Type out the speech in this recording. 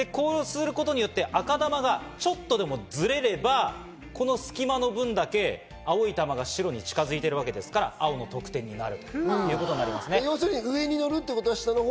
すごい技よ、こうすることによって赤球がちょっとでもずれれば、この隙間の分だけ青い球が白に近づいているわけですから青の得点になる。